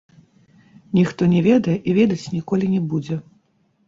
Ніхто не ведае і ведаць ніколі не будзе.